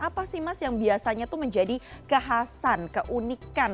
apa sih mas yang biasanya itu menjadi kekhasan keunikan